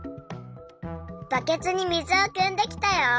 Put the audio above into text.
バケツに水をくんできたよ。